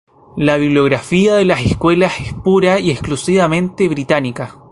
La bibliografía de las escuelas es pura y exclusivamente británica.